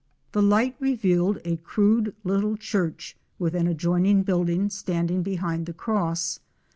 The light revealed a crude little church with an adjoining building standing behind the cross.